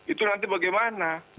itu nanti bagaimana